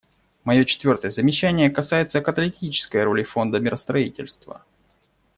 Мое четвертое замечание касается каталитической роли Фонда миростроительства.